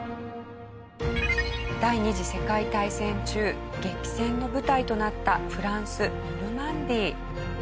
第二次世界大戦中激戦の舞台となったフランスノルマンディー。